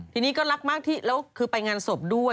ทีนี้ก็รักมากที่แล้วคือไปงานศพด้วย